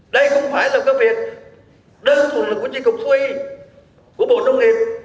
đây không phải là cái việc đơn thuần là của tri cục thú y của bộ nông nghiệp